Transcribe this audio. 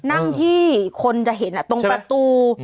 นั่งที่คนจะเห็นตรงประตู